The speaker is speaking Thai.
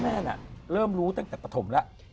นั่นแหละเริ่มรู้ตั้งแต่ปฐมแล้ว